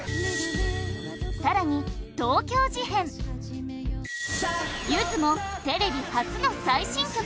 更に東京事変、ゆずもテレビ初の最新曲！